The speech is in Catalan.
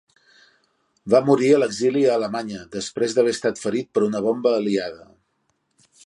Va morir a l'exili a Alemanya, després d'haver estat ferit per una bomba aliada.